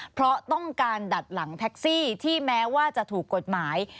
เพราะต้องการดัดหลังแท็กซี่ที่แม้ว่าจะถูกกฎหมาย